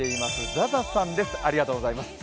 Ｚａｚａさんです、ありがとうございます。